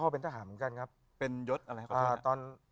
เป็นยศอะไรครับ